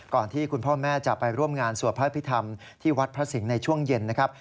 ที่คุณพ่อแม่จะไปร่วมงานสวดพระพิธรรมที่วัดพระสิงห์ในช่วงเย็นนะครับ